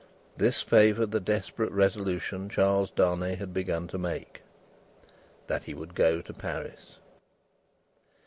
This favoured the desperate resolution Charles Darnay had begun to make, that he would go to Paris.